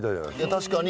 確かに。